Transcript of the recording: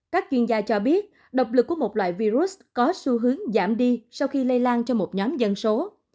các chuyên gia cho biết độc lực của một loại virus có xu hướng giảm đi sau khi lây lan cho một nhóm dân số